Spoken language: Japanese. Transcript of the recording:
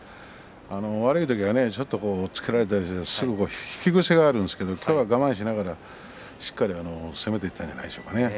悪い時はちょっと押っつけられたりするとすぐに引き癖があるんですけれど今日は我慢しながらしっかりと攻めていったんじゃないでしょうかね。